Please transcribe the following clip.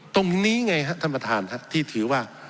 ตรงนี้ไงครับท่านประธานที่ถือว่า